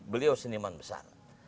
beliau seniman besar